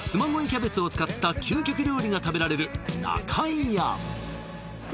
キャベツを使った究極料理が食べられる中居屋